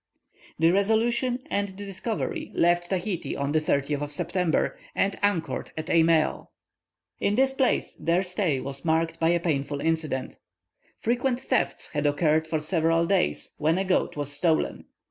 The Resolution and the Discovery left Tahiti on the 30th of September, and anchored at Eimeo. In this place their stay was marked by a painful incident. Frequent thefts had occurred for several days, when a goat was stolen.